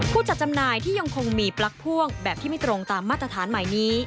ผู้จัดจำหน่ายที่ยังคงมีปลั๊กพ่วงแบบที่ไม่ตรงตามมาตรฐานใหม่นี้